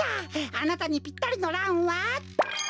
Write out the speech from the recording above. あなたにぴったりのランは。